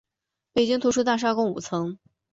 北京图书大厦共五层。